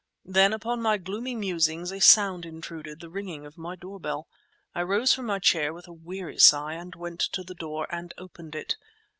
Then upon my gloomy musings a sound intruded—the ringing of my door bell. I rose from my chair with a weary sigh, went to the door, and opened it.